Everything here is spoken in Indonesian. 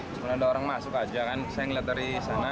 cuma ada orang masuk aja kan saya melihat dari sana